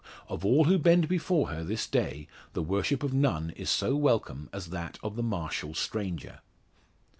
Of all who bend before her this day, the worship of none is so welcome as that of the martial stranger.